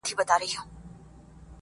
کرنه د کلیو بنسټ دی.